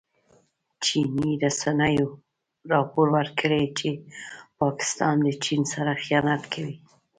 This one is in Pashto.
چیني رسنیو راپور ورکړی چې پاکستان د چین سره خيانت کوي.